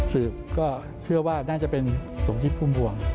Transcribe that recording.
สืบก็เชื่อว่าน่าจะเป็นสมคิดพุ่มพวง